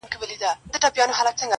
زما اشنا خبري پټي ساتي~